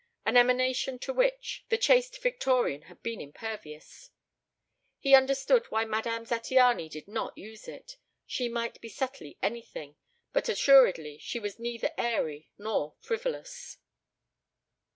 (An emanation to which the chaste Victorian had been impervious.) He understood why Madame Zattiany did not use it. She might be subtly anything, but assuredly she was neither airy nor frivolous.